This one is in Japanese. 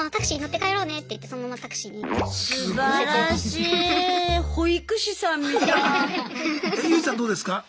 ユージさんどうですか？